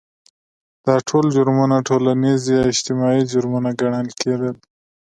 دا ټول جرمونه ټولنیز یا اجتماعي جرمونه ګڼل کېدل.